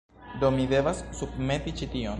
Do, mi devas submeti ĉi tion